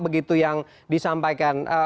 begitu yang disampaikan